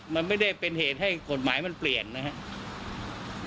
มันไม่ได้เป็นเหตุให้กฎหมายมันเปลี่ยนนะครับ